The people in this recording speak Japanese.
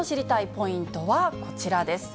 ポイントはこちらです。